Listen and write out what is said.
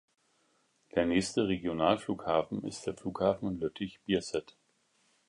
Der nächste Regionalflughafen ist der Flughafen Lüttich-Bierset.